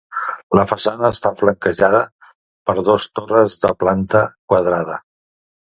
La façana està flanquejada per dos torres de planta quadrada.